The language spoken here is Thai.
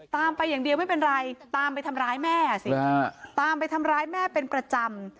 ตามไปอย่างเดียวไม่เป็นไรตามไปทำร้ายแม่สิฮะตามไปทำร้ายแม่เป็นประจำ